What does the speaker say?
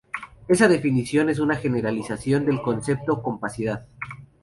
Esa definición es una generalización del concepto de compacidad.